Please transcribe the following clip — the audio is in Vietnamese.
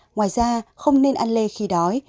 ngoài ra không nên ăn lê khi đói